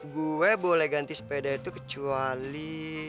gue boleh ganti sepeda itu kecuali